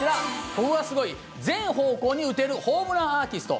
ここがすごい、全方向に打てるホームランアーティスト。